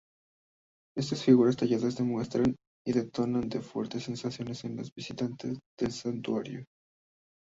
Estas figuras talladas demuestran, y dotan de fuertes sensaciones a los visitantes del Santuario.